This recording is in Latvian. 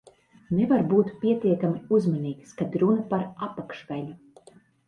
Nevar būt pietiekami uzmanīgs, kad runa par apakšveļu.